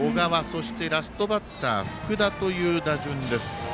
そして、ラストバッター福田の打順です。